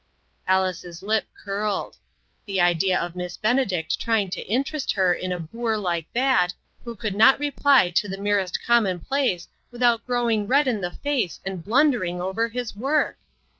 Alice's lip curled. The idea of Miss Benedict trying to interest her in a boor like that, who could not reply to the mer est commonplace without growing red in the face and blundering over his work